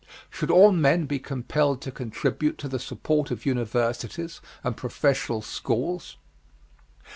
Should all men be compelled to contribute to the support of universities and professional schools?